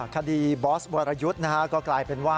บอสวรยุทธ์ก็กลายเป็นว่า